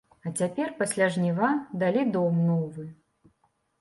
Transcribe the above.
А цяпер пасля жніва далі дом новы.